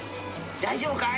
大丈夫かい？